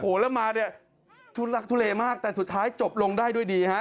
โอ้โหแล้วมาเนี่ยทุลักทุเลมากแต่สุดท้ายจบลงได้ด้วยดีฮะ